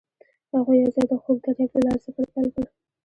هغوی یوځای د خوږ دریاب له لارې سفر پیل کړ.